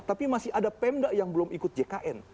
tapi masih ada pemda yang belum ikut jkn